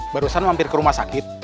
barusan mampir ke rumah sakit